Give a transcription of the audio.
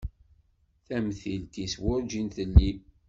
Tamtilt-is werǧin telli.